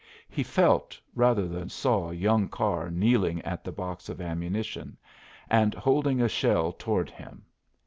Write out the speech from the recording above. He felt rather than saw young Carr kneeling at the box of ammunition, and holding a shell toward him.